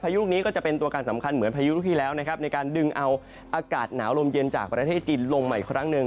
ยุคนี้ก็จะเป็นตัวการสำคัญเหมือนพายุลูกที่แล้วนะครับในการดึงเอาอากาศหนาวลมเย็นจากประเทศจีนลงมาอีกครั้งหนึ่ง